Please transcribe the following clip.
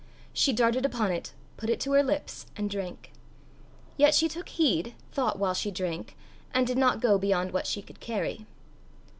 She darted upon it, put it to her lips, and drank. Yet she took heed, thought while she drank, and did not go beyond what she could carry.